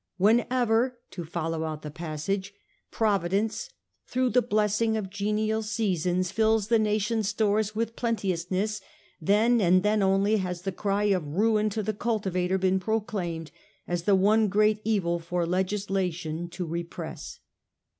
'Whenever,' to follow out the passage, ' Providence, through the blessing of genial seasons, fills the nation's stores with plenteousness, then and then only has the cry of ruin to the cultivator been proclaimed as the one great evil for legislation to repress.